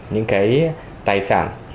những cái tài sản